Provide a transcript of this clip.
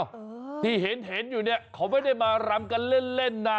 อ้าวที่เห็นอยู่เนี่ยเขาไม่ได้มารำกันเล่นนะ